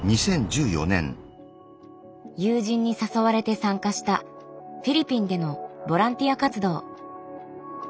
友人に誘われて参加したフィリピンでのボランティア活動。